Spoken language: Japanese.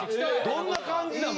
どんな感じなの？